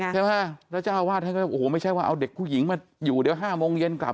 ใช่ไหมแล้วเจ้าอาวาสท่านก็โอ้โหไม่ใช่ว่าเอาเด็กผู้หญิงมาอยู่เดี๋ยว๕โมงเย็นกลับ